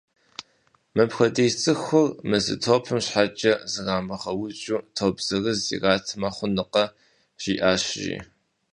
Мыпхуэдиз цӏыхур мы зы топым щхьэкӏэ зрамыгъэукӏыу, топ зырыз иратмэ хъунукъэ? - жиӏащ, жи.